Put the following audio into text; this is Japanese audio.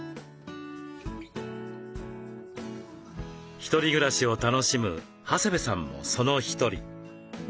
一人暮らしを楽しむ長谷部さんもその一人。